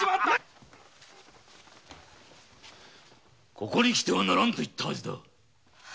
ここに来てはならぬと申したはずだ！